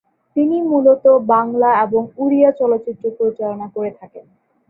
তিনি মূলত বাংলা এবং ওড়িয়া চলচ্চিত্র পরিচালনা করে থাকেন।